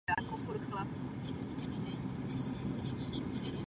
Dovolte mi tři doplňující poznámky.